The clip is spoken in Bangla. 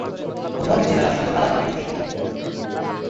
গুড মর্নিং ছেলেরা সুন্দর কালার পীযূষ।